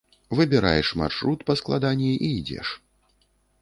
Выбіраеш маршрут паскладаней і ідзеш.